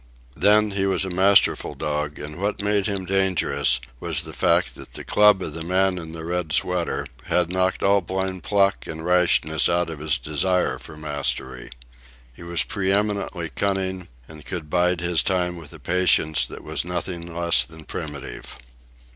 Then he was a masterful dog, and what made him dangerous was the fact that the club of the man in the red sweater had knocked all blind pluck and rashness out of his desire for mastery. He was preeminently cunning, and could bide his time with a patience that was nothing less than primitive.